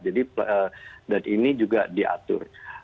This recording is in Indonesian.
jadi dan ini juga diatur